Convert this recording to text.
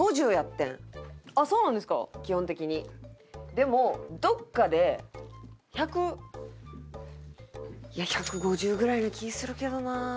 でもどこかで１００いや１５０ぐらいな気するけどな。